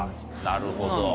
なるほど。